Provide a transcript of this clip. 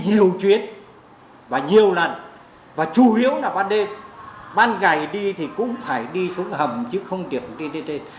nhiều chuyến và nhiều lần và chủ yếu là ban đêm ban ngày đi thì cũng phải đi xuống hầm chứ không tiệc đi trên trên trên